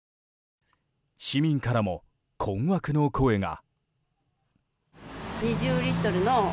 市民からも困惑の声が。